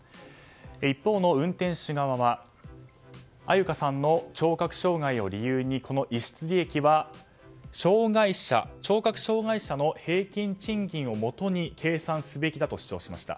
一方の運転手側は安優香さんの聴覚障害を理由にこの逸失利益は、聴覚障碍者の平均賃金をもとに計算すべきだと主張しました。